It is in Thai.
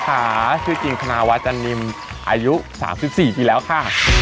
ค่ะชื่อจริงธนาวาจานิมอายุ๓๔ปีแล้วค่ะ